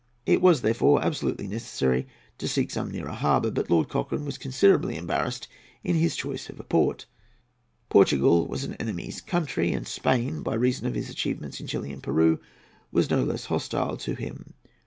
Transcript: It was therefore absolutely necessary to seek some nearer harbour; but Lord Cochrane was considerably embarrassed in his choice of a port. Portugal was an enemy's country, and Spain, by reason of his achievements in Chili and Peru, was no less hostile to him.